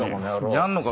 やんのか？